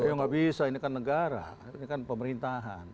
ya nggak bisa ini kan negara ini kan pemerintahan